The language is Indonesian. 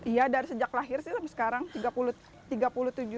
iya dari sejak lahir sampai sekarang tiga puluh tujuh tahun